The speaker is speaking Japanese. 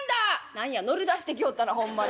「何や乗り出してきよったなほんまに。